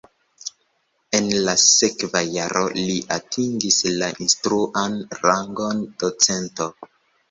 En la sekva jaro li atingis la instruan rangon docento.